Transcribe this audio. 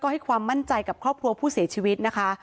ให้ความมั่นใจกับครอบครัวผู้เสียชีวิตนะคะ